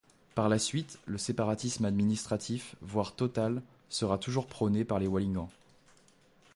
Par la suite, le séparatisme administratif, voire total, sera toujours prôné par les wallingants.